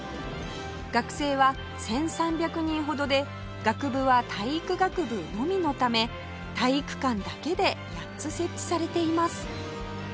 学生は１３００人ほどで学部は体育学部のみのため体育館だけで８つ設置されています